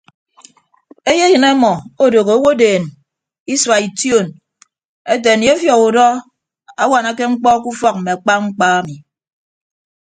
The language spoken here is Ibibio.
Eyeyịn ọmọ odooho owodeen isua ition ete aniefiọk udọ awanake mkpọ ke ufọk mme akpa mkpa ami.